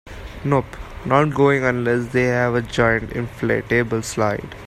Nope, not going unless they have a giant inflatable slide.